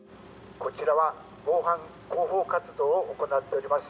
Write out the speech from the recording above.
「こちらは防犯広報活動を行っております